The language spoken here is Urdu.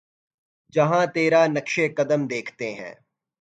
جہاں تیرا نقشِ قدم دیکھتے ہیں